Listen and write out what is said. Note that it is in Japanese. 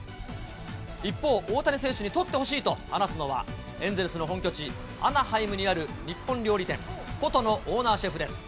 一方、大谷選手にとってほしいと話すのは、エンゼルスの本拠地、アナハイムにある日本料理店、古都のオーナーシェフです。